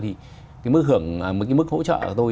thì mức hưởng mức hỗ trợ của tôi